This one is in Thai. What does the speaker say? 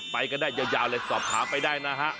ไปกันได้ยาวเลยสอบถามไปได้นะฮะ